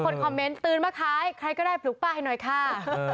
ดูคนคอมเม้นต์ตื่นป่าค้ายใครก็ได้พลุกปลายหน่อยค่ะ